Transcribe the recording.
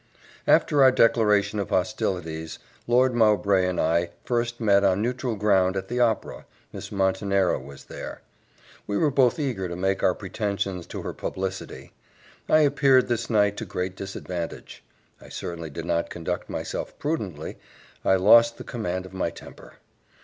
After our declaration of hostilities, Lord Mowbray and I first met on neutral ground at the Opera Miss Montenero was there. We were both eager to mark our pretensions to her publicly. I appeared this night to great disadvantage: I certainly did not conduct myself prudently I lost the command of my temper.